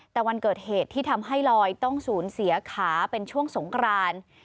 แต่วันเกิดเหตุที่ทำให้ลอยต้องศูนย์เสียขาเป็นช่วงสงคราน